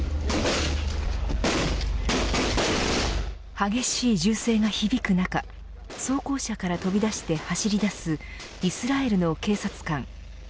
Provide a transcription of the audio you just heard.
激しい銃声が響く中装甲車から飛び出して走り出すイスラエルの警察官。